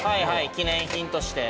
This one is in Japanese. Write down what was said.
記念品として。